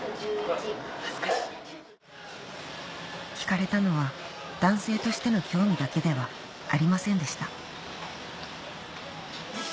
惹かれたのは男性としての興味だけではありませんでした